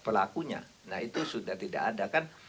pelakunya nah itu sudah tidak ada kan